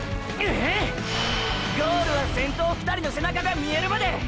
“ゴール”は先頭２人の背中が見えるまで！！